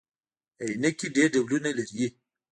عینکي ډیر ډولونه لري